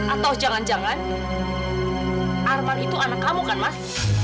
atau jangan jangan arman itu anak kamu kan mas